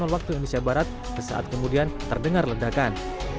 waktu indonesia barat sesaat kemudian terdengar ledakan